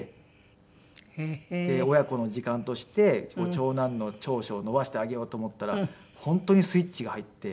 親子の時間として長男の長所を伸ばしてあげようと思ったら本当にスイッチが入って。